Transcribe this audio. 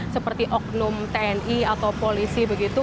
seperti oknum tni atau polisi begitu